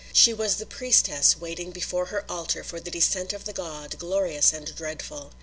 She was the priestess waiting before her altar for the descent of the god, glorious and dreadful.